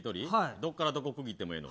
どっからどこ区切ってもええの？